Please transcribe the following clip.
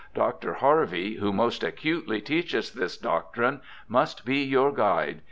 Doctor Harvey, who most acutely teacheth this doctrine, must be your guide.